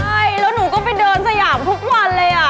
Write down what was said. ใช่แล้วหนูก็ไปเดินสยามทุกวันเลย